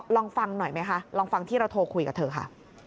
ลองฟังหน่อยไหมคะลองฟังที่เราโทรคุยกับเธอค่ะ